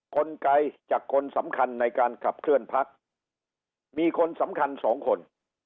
กลไกจากคนสำคัญในการขับเคลื่อนพักมีคนสำคัญสองคน